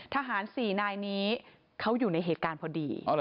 ทหาร๔นายนี้เขาอยู่ในเหตุการณ์พอดี